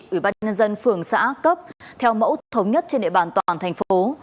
ủy ban nhân dân phường xã cấp theo mẫu thống nhất trên địa bàn toàn thành phố